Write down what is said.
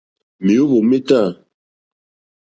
Mèóhwò mé tâ.